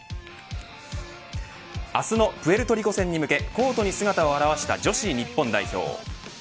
明日のプエルトリコ戦に向けコートに姿を現した女子日本代表。